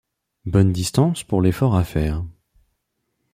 Bonne distance pour l’effort à faire.